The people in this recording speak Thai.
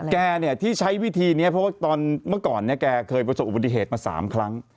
แกที่ใช้วิธีนี้เพราะว่าตอนเมื่อก่อนแกเคยประสบอุบัติเหตุมา๓ครั้ง